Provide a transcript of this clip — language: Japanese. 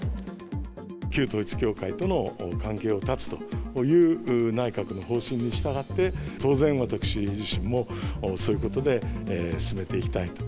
旧統一教会との関係を断つという内閣の方針に従って、当然、私自身もそういうことで進めていきたいと。